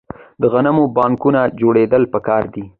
د غنمو بانکونه جوړیدل پکار دي.